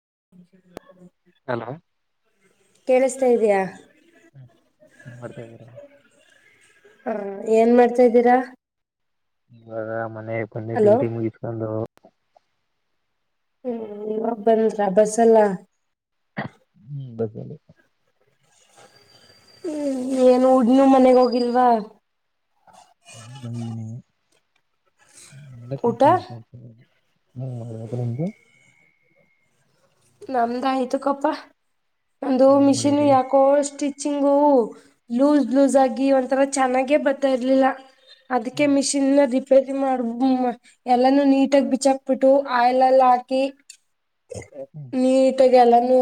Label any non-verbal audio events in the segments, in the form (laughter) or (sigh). ಹ ಹಲೋ ಕೇಳಿಸ್ತಾ ಇದೆಯಾ ಹ್ಮ ಮಾಡ್ತಾ ಇದ್ದೀರಾ ಹಾ ಏನ್ ಮಾಡ್ತಾದೀರಾ ಇವಾಗ ಮನೆ ಬನ್ನೆಡ್ಡುವರಿ ಮುಗಿಸಕೊಂಡು ಹ್ಮ್ ಇವಾಗ ಬಂದರ ಬಸ್ಸಲ್ಲ ಹ್ಮ್ ಬಸ್ ಅಲಿ ಹ್ಮ್ ಏನು ಹುಡ್ನ ಮನೆಗ ಹೋಗಿಲ್ವಾ ನೀ ಬ ನೀ ನ ಕ ಊಟ (unintelligible) ಹ್ಮ್ಗೆ (inaudible) ನಮ್ದ ಆಯ್ತು ಕಪ್ಪಾ ನಂದು ಹೆಂಗ್ ಮಿಷಿನ್ ಮಾಡಿದ್ರಿ ಯಾಕೋಷ್ಟ ಸ್ಟಿಚಿಂಗ್ ಲೂಸ್ ಲೂಸ್ ಆಗಿ ಒಂಥರ ಚೆನ್ನಾಗೆ ಬರ್ತಾ ಇರ್ಲಿಲ್ಲ. ಅದಕ್ಕೆ ಹ್ಮ್ ಮಿಷಿನ್ ರೀ ಸರಿ ಮಾಡುಮ್ ಎಲ್ಲಾನೂ ನೀಟಾಗಿ ಬಿಚ್ಚಾಕ್ ಬಿಟ್ಟು ಆಯಿಲ್ ಎಲ್ಲ ಹಾಕಿ ಹ್ಮ್ ನೀಟಾಗಿ ಎಲ್ಲಾನು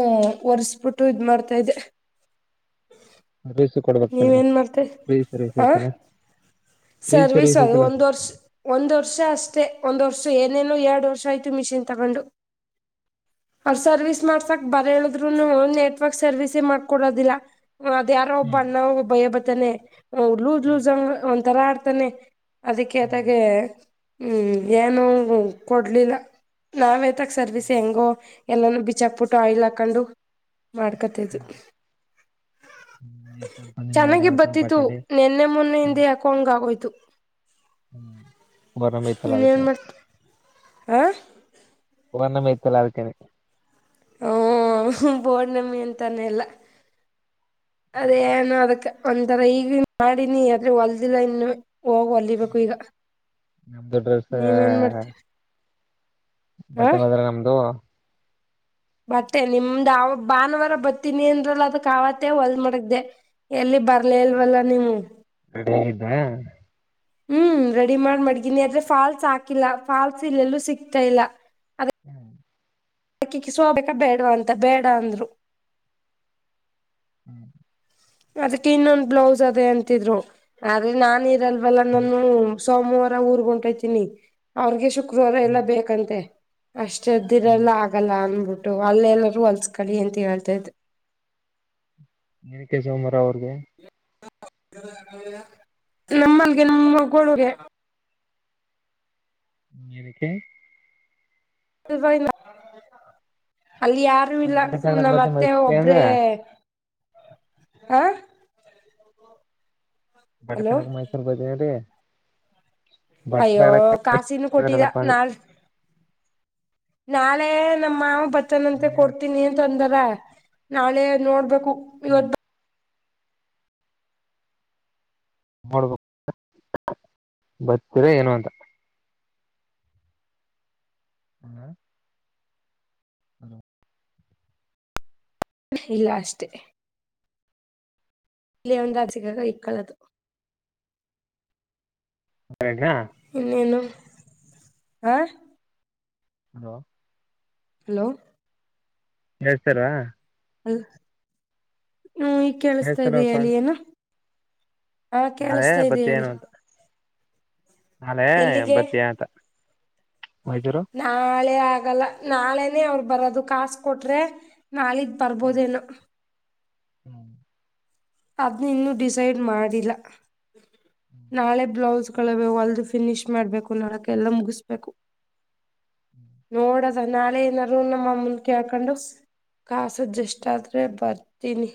ಒರ್ಸ್ಬಿಟ್ಟು ಇದ್ ಮಾಡ್ತಾದೆ ಸರ್ವಿಸ್ ಕೊಡ್ಬೇಕ್ ತಾನೆ ನೀವೇನ್ ಮಾಡ್ತ ಫ್ರೀ ಸರ್ವಿಸ್ ಆ ಐತಲ್ಲ ಫ್ರೀ ಸರ್ವಿಸ ಸರ್ವಿಸ್ ಅ ಐತಲ್ಲ ಒಂದು ವರ್ಷ ಒಂದು ವರ್ಷ ಅಷ್ಟೇ ಒಂದ್ ವರ್ಷ ಏನೇನು ಎರಡು ವರ್ಷ ಆಯ್ತು ಮಿಷಿನ್ ತಗೊಂಡು ಅವ್ರ ಸರ್ವಿಸ್ ಮಾಡ್ಸಕ್ ಬರ ಹೇಳದ್ರುನು ನೆಟ್ವರ್ಕ್ ಸರ್ವಿಸ ಮಾಡ್ಕೊಡೋದಿಲ್ಲ ಅದ ಯಾರೋ ಒಬ್ಬ ಹ್ಮ್ ಅಣ್ಣ ಒಬ್ಬಯ ಬರ್ತಾನೆ ಲೂಸ್ ಹ್ಮ್ ಲೂಸ್ ಒಂತರ ಆಡ್ತಾನೆ. ಅದಕ್ಕೆೇ ಹ್ಮ್ ಆತಗೆ ಹ್ಮ ಏನೂ ಕೊಡ್ಲಿಲ್ಲ. ನಾವ ತಕ್ ಸರ್ವಿಸಸ್ ಹ್ಮ್ ಹೆಂಗೋ ಎಲ್ಲಾನೂ ಬಿಚಕ್ಬಿಟ್ಟು ಆಯಿಲ್ ಹಾಕೊಂಡು ಮಾಡ್ಕತ್ದು ಹ್ಮ್ ಹ್ಮ್ ಎಷ್ಟ್ ಸಂಪಾದನೆ ಮಾಡಿದ್ರಿ ಚೆನ್ನಾಗಿ ಇವತ್ತು ಬತಿತ್ತು ಬಟ್ಟೆಲಿ ನೆನ್ನೆ ಮೊನ್ನೆ ಹ್ಮ್ ಹಿಂದೆ ಹಕಂಗ ಆಗೋಯ್ತು ಹ್ಮ್ ಓರ್ನಮಿ ಇತ್ತಲ್ಲ ಅದಕ್ಕೆ ಇನ್ನೇನ್ ಮ ಹ ಒಣ ಮೇತಲ್ಲಾರ್ಕನ ಹ್ಮ ಪೂರ್ಣಮಿ ಅಂತಾನೆಲ್ಲ ಅದೇ ನು ಅದಕ್ಕ ಒಂಥರ ಈಗ ಮಾಡಿನಿ ಆದ್ರೆ ಹೊಲ್ದಿಲ್ಲ ಇನ್ನು ಹೋಗ್ ಅಲ್ಲಿಬೇಕು ಈಗ ನಮ್ದು ಡ್ರೆಸ್ ನೀವೇನ್ ಮಾಡ್ತೀರಿ ಬತ್ತೆ ಹದ್ರ ನಮ್ದು ಮತ್ತೆ ನಿಮ್ದ ಅವ ಭಾನುವಾರ ಬರ್ತೀನಿ ಅಂದ್ರಲ್ಲ ಅದಕ್ ಆಾವತ್ತ ಹೊಲ್ ಮಾಡಡಗ್ದೆ ಎಲ್ಲಿ ಬರ್ಲಿ ಇಲ್ವಲ್ಲ ನೀವು ರೆಡಿ ಆಗಿದ್ದ ಹ್ಮ್ ರೆಡಿ ಮಾಡ್ ಮಾಡಗೀನಿ ಆದ್ರೆ ಫಾಲ್ಸ್ ಹಾಕಿಲ್ಲ ಫಾಲ್ಸ್ ಇಲ್ಲೆಲ್ಲೂ ಸಿಗ್ತಾ ಇಲ್ಲ ಹ್ಮ್ ಅಕ್ಕಿ ಕಿಸುಬೇಕ ಬೇಡವಾ ಅಂತ ಬೇಡ ಅಂದ್ರು ಹ್ಮ್ ಅದಕ್ಕೆ ಇನ್ನೊಂದ್ ಬ್ಲೌಸ್ ಅದೇ ಅಂತಿದ್ರು ಆದ್ರೆ ನಾನ ಇರಲ್ವಲ್ಲ ನಾನು ಸೋಮವಾರ ಊರ್ ಹೊಂಟೈತನಿ ಅವ್ರಗೆ ಶುಕ್ರವಾರ ಎಲ್ಲಾ ಹ್ಮ್ ಬೇಕಂತೆ ಹ್ಮ್ ಅಷ್ಟೆದ್ದಿರಲ್ಲ ಆಗಲ್ಲ ಅನ್ಬುದು ಅಲ್ಲೆ ಎಲ್ಲರೂ ಹೊಲ್ಸ್ಕೊಳ್ಳಿ ಅಂತ ಹೇಳ್ತ್ದ ನಿನ ಕೆ ಸೋಮವಾರ ಅವ್ರಿಗೆ ನಮ್ಮಲ್ಲಿಗೆ ನಮ್ಮಿಗೆ ಹ್ಮಕ್ಕೆ ಅವ ಅಲ್ಲಿ ಯಾರು ಮತ್ತೆ ಇಲ್ಲ ಬಟ್ಟೆ ತಗೊಳಕ್ ನಮ್ಮ ಬದ್ದೆ ಮತ್ತೆ ಮೈಸೂರಿಗೆ ಅಂದ ಒಬ್ರೇ ಹ ಹಲೋ ಬಡತನಗ ಮೈಸೂರು ಬದ ಹೇಳಿ ಅಯ್ಯೋ ಕಾಸಿನ ಕೊಟ್ಟೀರ ಮೈಸೂರಲ್ಲಪ್ಪ ಅಂದೆ ನಾಲ್ ನಾಳೆ ನಮ್ಮ ಮಾವ ಬಚ್ಚನಂತೆ ಕೊಡ್ತೀನಿ ಅಂತ ಅಂದಾರ ನಾಳೆ ನೋಡ್ಬೇಕು ಹ್ಮ್ ಇವತ್ ನೋಡ್ಬ ಬರ್ತೀರಾ ಏನು ಅಂತ ಹ್ಮ ಹಲೋ ಇಲ್ಲ ಅಷ್ಟೇ ಇಲ್ಲಿ ಒಂದು ಅರ್ಜಿಕಾಗ ಇಕ್ಕಾಲದು ಹಾ (unintelligible) ಹ ಹಲೋ ಹಲೋ ಕೇಳುಸ್ದ ಅಲ್ ಹ್ಮ ಈ ಕೇಳಿಸತಾ ಹೇಳ್ತಾರಪ್ಪ ಇದೀಯ ಅಲ್ಲಿ ಅಂದೆ ಏನ ಹಾ ನಾಳೆ ಕೇಳಿಸತಾ ಇದ ಹೇಳಿ ಬತ್ತೀಯೇನು ಅಂತ ನಾಳೆ ಎಲ್ಲಿಗೆ ಬತ್ತಿ ಆತ ನಾಳೆ ಆಗಲ್ಲ ನಾಳೆನೇ ಅವರು ಬರೋದು ಕಾಸ ಕೊಟ್ರೆ ನಾಳಿದ್ದು ಬರ್ಬೋದೇನು ಹ್ಮ್ ಅದ ಇನ್ನು ಡಿಸೈಡ್ ಮಾಡಿಲ್ಲ ನಾಳೆ ಬ್ಲೌಸ್ ಕಳವು ಅಲ್ದು ಫಿನಿಶ್ ಮಾಡ್ಬೇಕು ನಡಕ ಎಲ್ಲ ಮುಗಿಸ್ಬೇಕು ನೋಡದ ನಾಳೆ ಏನಾರರು ನಮ್ಮಮ್ಮನ್ ಕ ಹಳ್ಕೊಂಡು- ಕಾಸದ ಆಜಷ್ಟು ಆದ್ರೆ ಬರ್ತೀನಿ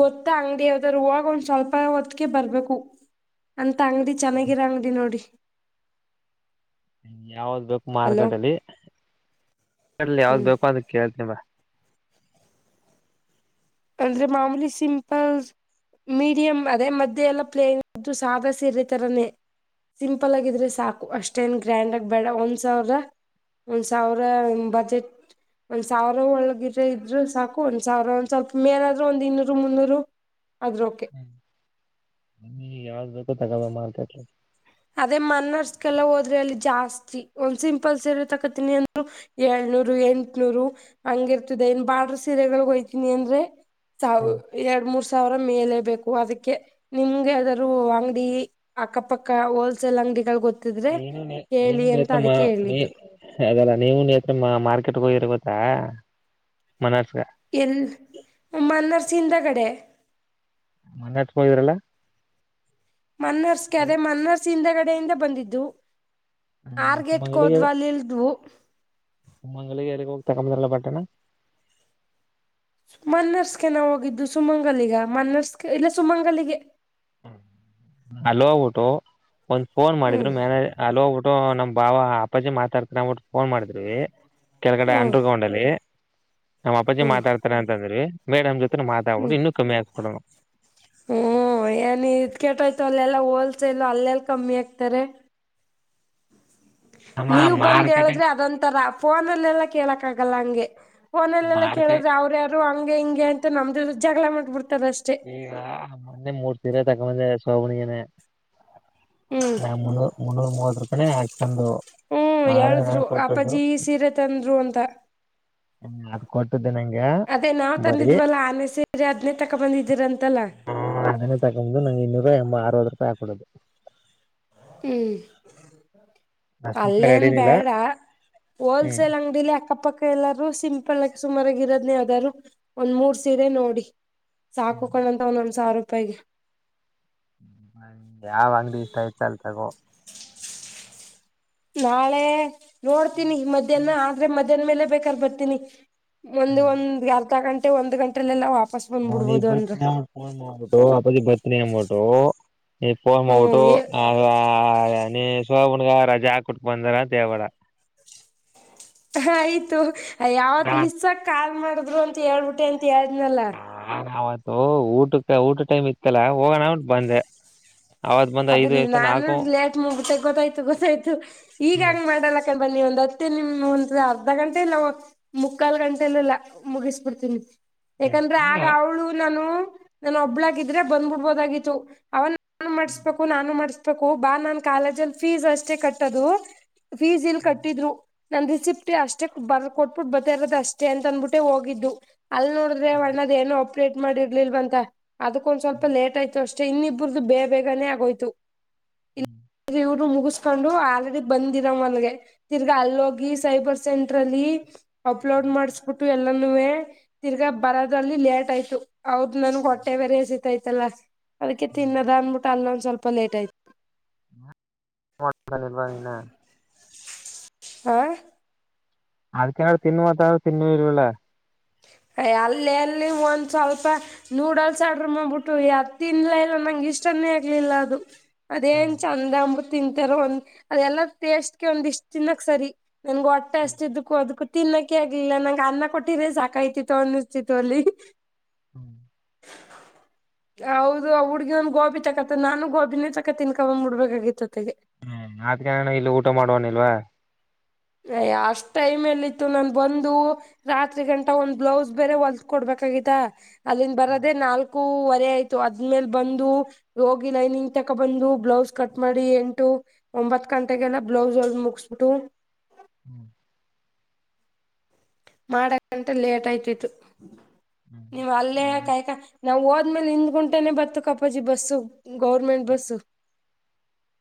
ಗೊತ್ತಾ ಅಂಗಡಿ, ರುವಾಗ ಒಂದ್ ಸ್ವಲ್ಪ ಹೊತ್ತಿಗೆ ಬರ್ಬೇಕು. ಅಂತ ಅಂಗಡಿ ಚೆನ್ನಾಗಿರ ಅಂಗಡಿ ನೋಡಿ. ಯಾವ್ದ್ ಬೇಕು ಹಲೋ ಮಾರ್ಕೆಟ ಅಲ್ಲಿ ಮಲ್ಲಿ ಯಾವ್ದ್ ಹ್ಮ್ ಬೇಕು ಅಂತ ಕೇಳತ (unintelligible) ನಿಮ್ಮ ಅಂದ್ರೆ ಮಾಮೂಲಿ ಸಿಂಪಲ್, ಮೀಡಿಯಂ ಅದೇ ಮಧ್ಯೆಲ್ಲ ಪ್ಲೇನ್ ಸಾಧ ಸಿದಾ ತರನೇ ಸಿಂಪಲ್ ಆಗಿದ್ರೆ ಸಾಕು ಅಷ್ಟೇನ್ ಗ್ರ್ಯಾಂಡ್ಗಗಿ ಬೇಡ ಒಂದ್ ಸಾವಿರ ಒಂದ್ ಸಾವಿರ ಬಜೆಟ್. ಒಂದ್ ಸಾವಿರ ಒಳ್ಳಗಿರ ಇದ್ರು ಸಾಕು ಒಂದ್ ಸಾವಿರ ಒಂದ ಸ್ವಲ್ಪ. ಮೇನಾದ್ರರು ಒಂದ್ ಇನ್ನೂರು ಮುನ್ನೂರು ಆದ್ರರೂಳುಕ್ಕೆ ಗ ಮಾಡತ (unintelligible) ಅದೇ ಮನ್ನರ್ಸ್ಕಲ್ಲ ಹೋದ್ರೆ ಅಲ್ಲಿ ಜಾಸ್ತಿ ಒಂದ್ ಸಿಂಪಲ್ ಸೀರೆ ತಕತಿನಿ ಅಂದ ಹೇಳ. ಎಂಟನೂರು ಹಂಗಿರ್ತದೆ ಏನ್ ಬಾ್ರಡರ್ ಸೀರೆಗಳಿಗೆ ಹಯ್ತೀನಿ ಅಂದ್ರೆ. ಸಾವ ಎರಡು ಮೂರ್ ಸ ಸಾವಿರ ಮೇಲೆ ಬೇಕು ಅದಕ್ಕೆ ನಿಮ್ಗೆಾದ್ದೂ ಅಂಗಡಿ ಅಕ್ಕಪಕ್ಕ, ಹೋಲ್ಸೇಲ್ ಅಂಗಡಿಗಳು ಗೊತ್ತ ನೀನು- ನೀ -ನೀನು ನೇತ್ರ -ನೀ ಹೇಳಿದ್ದು -ಅಲ್ಲ ನೀವು ನೇತ್ರ ಮಾರ್ಕೆಟ್ ಹೋಗಿರ. ಹಾ ಎಲ್ಮ್ಮನ್ನರ್ಸಿಂದ ಕಡೆ. ಮೊನೆ ಹತ್ ಹೂಗಿದ್ರಲ್ಲ ಮನ್ನರ್ಸ್ಗೆ ಅದೇ ಮನ್ನರ್ಸ್ ಹಿಂದಗಡೆಯಿಂದ ಬಂದಿದ್ದು. ಆರ್ಗೆಟ್ ಕೋದ್ವ (unintelligible) ಲ್ಲಿಲ್ದ್ವು ಮಂಗಲಿಗೆಾರಿಗೆ ಹೋಗ್ತಾ ಕದ್ರಲ್ಲ ಬಟ್ಟಣ. ಮನ್ನರ್ಸ್ಕ ನಾವ ಹೋಗಿದ್ದು ಸುಮಂಗಲಿಗ ಮನ್ನರ್ಸ್ಕ ಇಲ್ಲ ಸುಮಂಗಲಿಗೆ. ಅಲ್ ಹೋಗ್ಬಿಟ್ಟು ಒಂದ್ ಫೋನ್ ಹ್ಮ್ ಮಾಡಿದ್ರು ಮ್ಯಾನೇಜ ಅಲ್ಲಿ ಹೋಗ್ಬಿಟ್ಟು ನಮ. ಬಾವ ಅಪ್ಪಾಜಿ ಮಾತಾಡ್ಕೊಂಡ್ಬಿಟ್ಟು ಫೋನ್ ಮಾಡಿದ್ವಿ ಕೆಳಗಡೆ ಹ್ಮ್ ಅಂಡ್ರ ಗ್ರೌಂಡ್ ಅಲ್ಲಿ. ನಮ್ಮ ಅಪ್ಪಾಜಿ ಹ್ಮ್ ಮಾತಾಡ್ತಾರ ಅಂತ ಅಂದ್ರಿ ಮೇಡಮ್ ಜೊತೆ ಪತ್ರನ ಮಾತಾವಡ ಹ್ಮ್ ಇನ್ನೂ ಕಮ್ಮಿಯಾಕ ಕೊಡಣ. ನೀ ಇ ಕೆಟ್ ಆಯ್ತು ಅಲ್ಲೆಲ್ಲ ಹೋಲ್ಸೇಲ್ ಅಲ್ಲೆಲ್ಲ ಕಮ್ಮಿ ಆಗ್ತಾರೆ. ನಮ್ಮ ನೀವ ಬಂದ್ ಮಾರ್ಕೆಟ್ ಹೇಳಿದ್ರೆ ಅದೊಂತರ ಫೋನಲ್ಲೆಲ್ಲಾ ಕೇಳಕ್ ಆಗಲ್ಲ ಹಂಗೆ. ಫನಲ್ಲೆಲ್ಲಾ ಮಾರ್ಕೆಟ್ ಕೇಳಿದ್ರೆ ಅವ್ರರು ಯಾರು ಹಂಗೆ ಹಿಂಗೆ ಅಂತ ನಮ್ದ ಜಗಳ ಮಾಡ್ಬಿಡ್ತಾರೆ. ಈ ಮೊನ್ನೆ ಮೂರ್ ತಿರ ತಗಂಬಂದೆ ಸೋಭನಿಿಗೆನೆ (unintelligible) ಹ್ಮ್ ಹಾ- ಮುನ್ನೂರು ಮುನ್ನೂರು ಮೂವತ್ತು -ರ ಕ ಹಾಕ್ಕಂದು ಹ್ಮ್ ಆದ್ರ ನ ಹೇಳಿದ್ರು ಕೊಟ್ಟು ಅಪ್ಪಾಜಿ ಸೀರೆ ತಂದ್ರು ಅಂತ (inaudible) ಹ ಅದ ಕೊಟ್ಟ ಅದೇ ನಾವ್ ತಂದಿದ್ವಲ್ಲ ಆನೆ ಸೇರಿ ಹದ್ನೆ ತಕ ಬಂದಿದೀರ. ಹ -ಅದನ್ನೇ ತಕೊು ನಂಗೆ ಇನ್ನೂರು ಎಂಬ ಅರವತ್ತು ರೂಪಾಯಿ ಹಾಕಿಡೋದು. ಹ್ಮ್ ಅಷ್ಟಕ್ಕೆ ಅಲ್ಲೇನ್ ರೆಡಿನಿಲ್ಲ ಬೇಡ ಹ್ಮ್ ಹೋಲ್ಸೇಲ್ ಅಂಗಡಿಲಿ ಅಕ್ಕಪಕ್ಕ, ಎಲ್ಲಾರೂ ಸಿಂಪಲ್ಕ ಸುಮಾರಾಗಿ ಇರೋನೇ ಯಾವ್ದಾದ್ರು ಒಂದ್ ಮೂರ್ ಸೀರೆ ನೋಡಿ. ಸಾಕಕೊಂಡಂತ ಒಂದೊಂದು ಸಾವಿರ ರೂಪಾಯಿಗೆ. ಯಾವ ಅಂಗಡಿ ಇಷ್ಟ ಆಯ್ತ ಅಲ್ ತಗೋ ನಾಳೆ ನೋಡ್ತೀನಿ ಮಧ್ಯಾಹ್ನ ಆದ್ರೆ ಮಧ್ಯಾಹ್ನ ಮೇಲೆ ಬೇಕಲ್ ಬರ್ತೀನಿ. ಒಂದ್ ಹ್ಮ್ ಒಂದ್ ಅರ್ಧ ಗಂಟೆ ಒಂದ್ ಗಂಟೆಲ್ಲೆಲ್ಲಾಪ. ಹ- ನೀ -ಬತ್ನಿನ್ ಮಾಡಟ್ಟ ಪ ಬತ್ನಿ ಆಟ್ಟ. ಇಪ್ಪ ಮೌಟ್ಟು ಹ್ಮ್ (inaudible) ನೀ- ಶೋಭನ್ಗ ರಜಾ ಹಾ -ಕುಟ್ ಬಂದಾರಾ ದೇವಾಡ ಆಯ್ತು ಯಾವತ್ ನಾನ್ ಮಿಸ್ -ಆ -ಕಾಲ್ ಮಾಡಿದ್ರು ಅಂತ ಹೇಳ್ಬಿಟ್ಟೆ ಅಂತ. ಾಜ್ನಲ್ಲ (inaudible) ಓ ಊಟಕ್ಕ ಊಟ ಟೈಮ್ ಇತ್ತಲ್ಲ ಹೋಗೋಣ ಅತ್ ಬಂದೆ. ಅವತ್ ಬಂದ ಐದು ಅದಲ್ಲಿ ಎಷ್ಟೋ ನಾನು ನಾಲ್ಕು ಲೇಟ್ ಮುಗುತ್ತೆ ಗೊತ್ತಾಯ್ತು ಗೊತ್ತಾಯ್ತು ಈಗ ಹಂಗ ಮಾಡಲ್ಲ. ಯಾಕ ಬನ್ನಿ ಒಂದ ಹತ್ತೇ ನಿಮ್ ಒಂದ ಅರ್ಧ ಗಂಟೆ ಇಲ್ಲ ಮುಕ್ಕಾಲ ಗಂಟೆಲ್ಲೆಲ್ಲ ಮುಗಿಸಬಿಡ್ತೀನಿ. ಯಾಕಂದ್ರೆ ಹಂಗ ಆಗ ಅವಳು ನಾನು ನಾನ ಒಬ್ಳಾಗಿದ್ರೆ ಬಂದ್ಬಿಡ್ಬೋದಾಗಿತ್ತು ಅವ ನಾನು ಹ್ಮ. ಮಾಡಿಸ್ಬೇಕು ನಾನು ಮಾಡಸ್ಬೇಕು ಬಾ ನಾನ್ ಕಾಲೇಜ ಅಲ್ಲಿ ಫೀಸ್ ಅಷ್ಟೇ ಕಟ್ಟದು ಫೀಸ್ ಇಲ್ ಹ್ಮ್ ಕಟ್ಟಿದ್ರು. ನನ್ ರಿಸಿಪ್ಟ ಅಷ್ಟೇ ಬರ್ ಕೊಟ್ಬಿಟ್ಟು ಬರ್ತಾ ಇರೋದು ಅಷ್ಟೇ ಅಂತ ಅನ್ಬಿಟ್ಟೆ ಹೋಗಿದ್ದು. ಅಲ್ ನೋಡಿದ್ರೆ ಹ್ಮ್ ಅಣ್ಣದ ಏನು ಅಪ್ಡೇಟ್ ಮಾಡಿರ್ಲಿಲವಂತೆ ಅದಕ್ಕೊಂದ ಸ್ವಲ್ಪ ಹ್ಮ್ ಲೇಟ್ ಆಯ್ತು ಅಷ್ ಛೆ ಇನ್ನಿಬ್ಬರ್ದ ಬೇ ಬೇಗನೆ ಆಗೋಯ್ತು. ಹ್ಮ. ಇಲ್ಲಿ ಇವ್ರು ಮುಗಿಸ್ಕೊಂಡು ಆಲ್ರೆಡಿ ಬಂದಿರವ ಅಲ್ಗೆ ತಿರ್ಗ ಅಲ್ಲೋಗಿ ಸೈಬರ್ ಸೆಂಟ್ರಲ್ಲಿ ಅಪ್ಲೋಡ್ ಮಾಡಸ್ಬಿಟ್ಟು ಎಲ್ಲನುವೆ ತಿರ್ಗಾ ಬರೋದ್ರಲ್ಲಿ ಲೇಟ್ ಆಯ್ತು ಹೌದ ನನ್ಗೆ ಹೊಟ್ಟೆ ಬೇರೆಹಸಿತಾಯ್ತಲ್ಲ ಅದಕ್ಕೆ ಹ್ಮ್ ತಿನ್ನದ ಅಂದಬಿಟ್ಟ ಅಲ್ಲೊಂದ ಸ್ವಲ್ಪ ಲೇಟ್ ಆಯ್ತ. (unintelligible) ಇನ್ನ ಆ ಅದಕ್ಕೆ ಏನಾರ ತಿನ್ನು ಅತರ ತಿನ್ನಲು ಇಲ್ವಲ್ಲ. ಎ ಅಲ್ಲ ಎಲ್ಲಿ ಒಂದ ಸ್ವಲ್ಪ ನೂಡಲ್ಸ್ ಅಡ್ರ ಮಾಡ್ಬಿಟ್ಟು ಅದ್ ತಿನ್ಲೆ ಇಲ್ಲ ನಂಗ ಇಷ್ಟನ್ನೇ ಆಗ್ಲಿಲ್ಲ ಅದು ಅದೇನ್ ಚಂದ ಅಂಬುತ್ ತಿಂತಾರ ಒಂದ ಅದೆಲ್ಲ ಟೇಸ್ಟ್ಗೆ ಒಂದ್ ಇಷ್ಟ ತಿನ್ನಕ ಸರಿ. ನನ್ಗ ಒಟ್ಟೆ ಹಸದಿದಕ್ಕು ಅದಕ್ಕೂ ತಿನ್ನಕೆ ಆಗ್ಲಿಲ್ಲ ನಂಗೆ ಅನ್ನ ಕೊಟ್ಟ್ರೆ ಸಾಕಾಯ್ತಿತ್ತು. ತೊಂದ ಚಿತು ಅಲ್ಲಿ ಹ್ಮ. (inaudible) ಹೌದು ಆ ಹುಡ್ಗಿ ಒಂದ ಗೋಬಿ ಚಕತ್ತ ನಾನು ಗೋಬಿನ ಚಕತ್ ತಿನ್ಕ ಮುಡ್ಬೇಕಾಗಿತ್ತುತ್ತಗ ಹ್ಮ ಅಕಾನ ಇಲ್ಲಿ ಊಟ ಮಾಡುವನಿಲ್ವಾ. ಅ ಅಷ್ಟ ಟೈಮ್ ಎಲ್ಲ ಇತ್ತು ನಾನ್ ಬಂದು ರಾತ್ರಿ ಗಂಟ ಒಂದ್ ಬ್ಲೌಸ್ ಬೇರೆ ಹೊಲ್ದ ಕೊಡ್ಬೇಕ. ತಗಿತಾ ಅಲ್ಲಿಂದ ಬರೋದೇ ನಾಲ್ಕ ಕು ವರೆ ಆಯ್ತು ಅದ್ಮೇಲೆ ಬಂದು ಹೋಗಿ ಲೈನಿಂಗ್ ತಕ ಬಂದು ಬ್ಲೌಸ್ ಕಟ್ ಮಾಡಿ ಎಂಟು ಒಂಬತ್ ಗಂಟೆಗೆಲ್ಲ ಬ್ಲೌಸ್ ಒಲ್ ಮುಗಸ್ಬಟ್ಟು. ಹ್ಮ. ಮಾಡಂಟ ಲೇಟ್ ಆಯ್ತಿತ್ತು ಹ್ಮ್ ನೀವ್ ಈಗ ಅಲ್ಲೇಯಕ ನಾ ಹೋ ಆದ್ಮೇಲೆನಿಂದ ಗುಂಟನೆ ಬತ್ತು ಕಪ್ಪಾಜಿ ಬಸ್ಸು ಗೌರ್ಮೆಂಟ್ ಬಸ್ಸ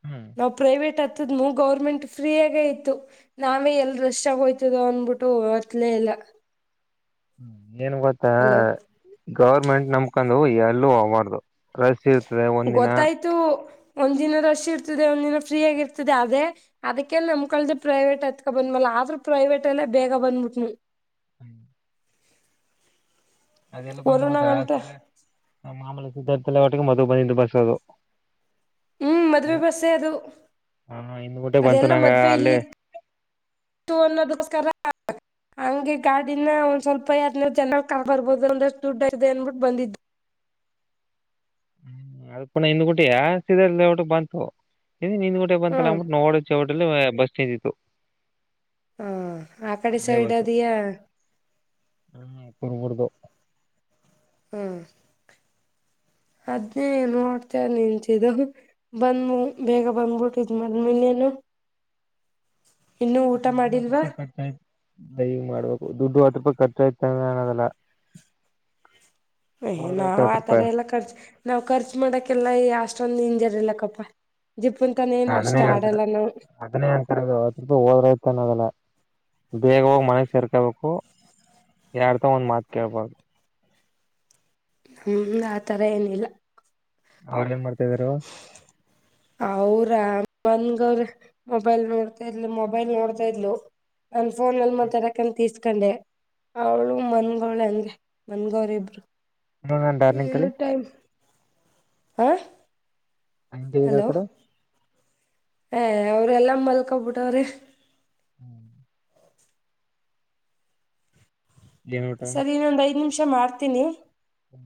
ಹ್ಮ್ ನಾವ ಪ್ರೈವೇಟ್ ಹ ದ ಗೌರ್ಮೆಂಟ್ ಫ್ರೀಯಾಗೇ ಇತ್ತು ನಾವೇ ಎಲ್ ರಶ್ ಆಗೋಯ್ತದೋ ಅಂದಬಿಟ್ಟು ಲೇ ಇಲ್ಲಾ. ಏನ್ ಗೊತ್ತ ಗೌರ್ಮೆಂಟ್ ನಮಕೊಂಡು ಎಲ್ಲೂ ಹೋಬಾರ್ದು. ರಶ್ಯ ಇರ್ತದೆ ಒಂದಿನ. ಒಂದ್ ದಿನ ರಶ್ ಇರ್ತದೆ ಒಂದ್ ದಿನ ಫ್ರೀ ಆಗಿ ಇರ್ತದೆ ಅದೇ ಅದಕ್ಕೆ ನಮ್ ಕಲ್ದೆ ಪ್ರೈವೇಟ್ ಅತ್ಕ ಬಂದ್ಮಲ್ಲ. ಆದ್ರೂ ಪ್ರೈವೇಟ್ ಅಲ್ಲೇ ಬೇಗ ಬಂದ್ಬಿಟ್ನ. ಹ್ಮ. ಅದೆಲ್ಲ ಬಂದುದ ವರುಣಗಂಟ ಆದ್ಮೇಲೆ ಮಾಮೂಲಿ ಸಿದ್ಧಾರ್ಥಲ್ಲ ಒಟ್ಟಿಗೆ ಮದ ಬಂದಂದು ಬಸ್ ಅದು (inaudible) ಹ್ಮ ಮದ್ವೆ ಬಸ್ಸೆ ಅದು ಹ ಹಿಂದ್ ಗುಟೆ ಬಂತು ಅದೆಲ್ಲ ನಂಗ ಮದ್ವೆ ಅಲ್ಲೇ ಇಲ್ಲಿತ್ತ. ತ್ತು ಅನ್ನೋಗೋಸ್ಕರ ಹಂಗೆ ಕಾಡಿನ ಒಂದ ಸ್ವಲ್ಪ ಎದನೂ ಜನ ಕ ಬರ್ಬೋದು ಒಂದಷ್ಟು ದುಡ್ಡದೆ ಅನ್ಬಿಟ್ಟು ಬಂದಿದ್ದು. (inaudible) ಹ್ಮ ಅದ ಪುನ ಇಂದ ಗೂಟಯಾ ತಿದರ್ ಲೇಔಟ್ ಗ ಬಂತು. ಇ ನಿಂದ್ಗಊಟೆ ಬಂತಲ್ಲ ಹ್ಮ್ ಅಬಿಟ್ಟ ನೋಡ ಚಡಲ್ಲಿ ಬಸ್ ಚೇಂಜ್ ಇತ್ತು. ಹಾ ಆ ಕಡೆ ಸೈಡ್ ಅದಿಯಾ. (unintelligible) ಹ್ಮ್ ಅದ್ನೇ ನೋಡ್ತಾರ ನಿಂತಿದ ಬಂದ್ ಬೇಗ ಬಂದ್ಬಿಟ್ಟು ಇದ ಮಾಡ್ಮಿನ್ನೇನು (inaudible) ದು್ೂಪ ಕಟ್ತಾಯ ದಯ ಮಾಡ್ಬೇಕು ದುಡ್ಡು ವಾತಪ ಖರ್ಚ ಆಯ್ತ ನಾನದೆಲ್ಲ ಅಯ ನಾವ್ ಆತರ ಎಲ್ಲ ಖರ್ಚು ನಾವ್ ಖರ್ಚು ಮಾಡಕ್ಕೆ ಕಲ್ಲ ಅಷ್ಟೊಂದ ಇಂಜರ್ ಇಲ್ಲಕ್ಕಪ್ಪ ಜಿಪ್ಪುಂತನ ಏನ್ ಅಷ್ಟ ಅದನೇ ಅಂತರ ಆಡಲ್ಲ ನಾವು ಅದನೇ ಅಂತರ ಅವತ್ ರೂಪಾಯಿ ಹೋದ್ರ ಇತನದೆಲ್ಲಾ ಬೇಗವಾಗಿ ಮನೆಸ ಸೇರ್ಕೊಬೇಕು ಯಡ್ತ ಒಂದ್ ಮಾತ ಕೇಳ್ಬೋದು ಹ್ಮ ಆ ತರ ಏನಿಲ್ಲ ಅವ್್ರ ಏನ್ ಮಾಡ್ತಾಿದಾರ ಅವ್ರ ಬಂದಗವ್ರ ಮೊಬೈಲ್ ನೋಡ್ತಾ ಇರ್ ಮೊಬೈಲ್ ನೋಡ್ತಾ ಇರ್ಲು ನ ಫೋ ಅಲ್ ಮತ್ತೆರಾಕಸ್ ಹಕಂಡೆ ಅವಳು ಮನ್ಗಳ ಹಂಗೆ ಮನ್ಗರಿ ಇಬ್ರು ಇವಾಗ ನಾನ್ ಡಾರ್ಲಿಂಗ್ ಇ ಕಲಿ ಟೈಮ್ ಹ ಆಂಗೆಇದೆಕಡ ಹ ಅವ್ರ ಎಲ್ಲಾ ಮಲ್ಕೊಬಿಟ್ಟವ್ರಿ ಹ್ಮ್ ಏನ್ ಸರಿ ಊಟ ಇನ್ನೊಂದ್ ಐದ್ ನಿಮಿಷ ಮಾಡ್ತೀನಿ ಹ್ಮ